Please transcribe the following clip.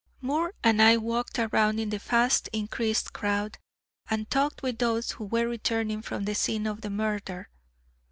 Moore and I walked around in the fast increasing crowd, and talked with those who were returning from the scene of the murder.